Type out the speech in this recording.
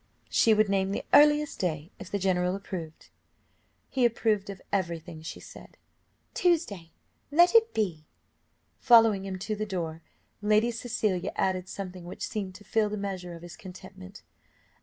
she would name the earliest day if the general approved. He approved of every thing she said; "Tuesday let it be." Following him to the door, Lady Cecilia added something which seemed to fill the measure of his contentment.